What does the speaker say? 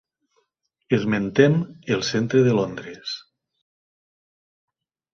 Esmentem el centre de Londres.